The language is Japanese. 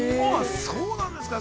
◆そうなんですか。